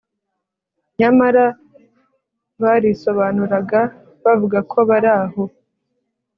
nyamara barisobanuraga bavuga ko bari aho